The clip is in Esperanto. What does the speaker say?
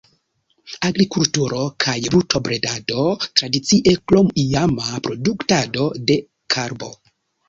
Agrikulturo kaj brutobredado tradicie, krom iama produktado de karbo.